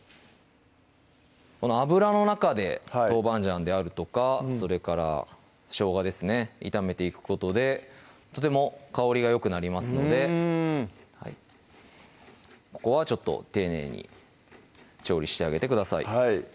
この油の中で豆板醤であるとかそれからしょうがですね炒めていくことでとても香りがよくなりますのでうんここはちょっと丁寧に調理してあげてください